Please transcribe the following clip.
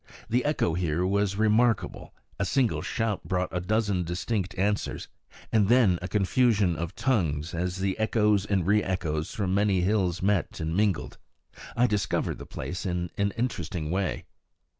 The echo here was remarkable; a single shout brought a dozen distinct answers, and then a confusion of tongues as the echoes and re echoes from many hills met and mingled. I discovered the place in an interesting way.